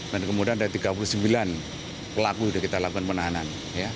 dan kemudian ada tiga puluh sembilan pelaku yang sudah kita lakukan penahanan